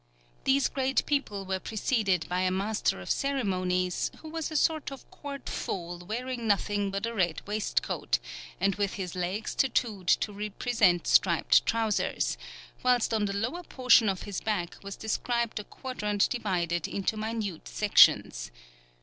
These great people were preceded by a master of ceremonies, who was a sort of court fool wearing nothing but a red waistcoat, and with his legs tattooed to represent striped trousers, whilst on the lower portion of his back was described a quadrant divided into minute sections.